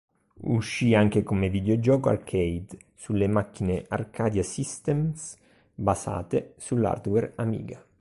Uscì anche come videogioco arcade, sulle macchine Arcadia Systems basate sull'hardware Amiga.